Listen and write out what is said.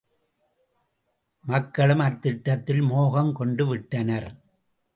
மக்களும் அத்திட்டத்தில் மோகங்கொண்டுவிட்டனர்.